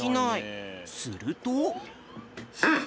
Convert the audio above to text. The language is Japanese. すると。